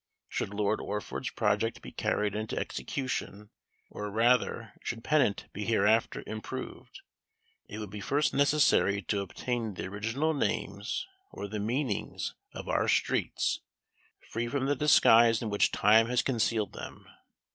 Should Lord Orford's project be carried into execution, or rather should Pennant be hereafter improved, it would be first necessary to obtain the original names, or the meanings, of our streets, free from the disguise in which time has concealed them.